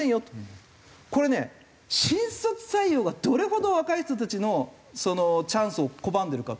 これね新卒採用がどれほど若い人たちのチャンスを拒んでるか。